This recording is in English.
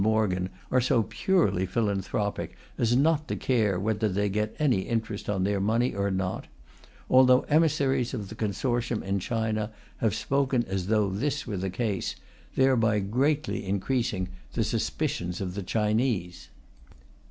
Morgan are so purely philanthropic as not to care whether they get any interest on their money or not, although emissaries of the consortium in China have spoken as though this were the case, thereby greatly increasing the suspicions of the Chinese.